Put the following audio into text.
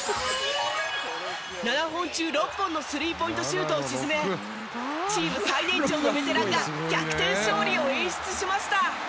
７本中６本のスリーポイントシュートを沈めチーム最年長のベテランが逆転勝利を演出しました。